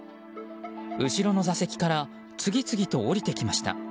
後ろの座席から次々と降りてきました。